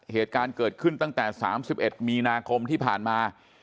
เหตุการณ์เกิดขึ้นตั้งแต่๓๑มีนาคมที่ผ่านมา